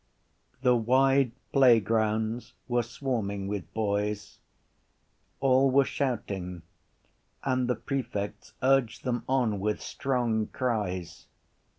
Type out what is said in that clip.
The wide playgrounds were swarming with boys. All were shouting and the prefects urged them on with strong cries.